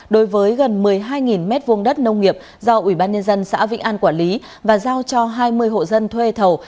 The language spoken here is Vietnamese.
đối với gần một mươi hai m hai đất nông nghiệp do ubnd xã vĩnh an quản lý và giao cho hai mươi hộ dân thuê thầu